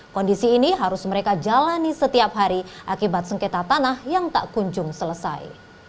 kondisi ini harus mereka jalani setiap hari akibat sengketa tanah yang tak kunjung selesai